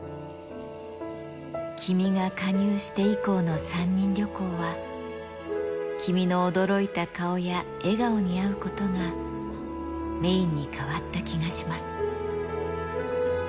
君が加入して以降の３人旅行は、君の驚いた顔や笑顔に会うことが、メインに変わった気がします。